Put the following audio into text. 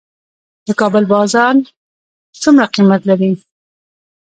د کابل بازان څومره قیمت لري؟